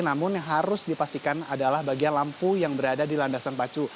namun yang harus dipastikan adalah bagian lampu yang berada di landasan pacu